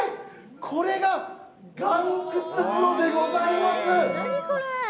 これが岩くつ風呂でございます。